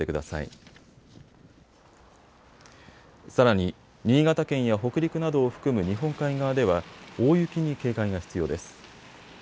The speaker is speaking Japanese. さらに、新潟県や北陸などを含む日本海側では大雪に警戒が必要です。